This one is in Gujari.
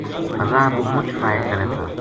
راہ پو مُچ فائر کرے تھا